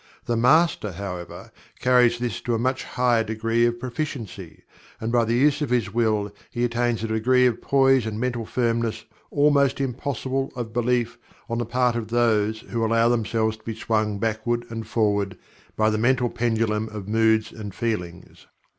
The Master, however, carries this to a much higher degree of proficiency, and by the use of his Will he attains a degree of Poise and Mental Firmness almost impossible of belief on the part of those who allow themselves to be swung backward and forward by the mental pendulum of moods and feelings.